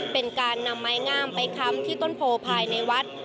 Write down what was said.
เป็นการนำไม้งามไปค้ำที่ต้นโพภายในวัด